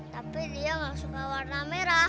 tapi dia nggak suka warna merah